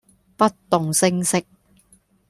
不動聲色